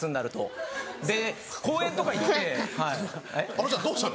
あのちゃんどうしたの？